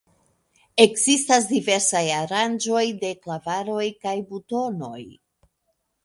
Ekzistas diversaj aranĝoj de klavaroj kaj butonoj.